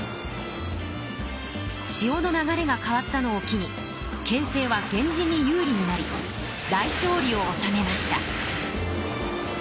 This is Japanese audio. しおの流れが変わったのを機に形勢は源氏に有利になり大勝利をおさめました。